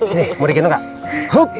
sini mau dikenu gak